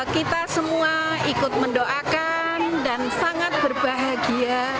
kita semua ikut mendoakan dan sangat berbahagia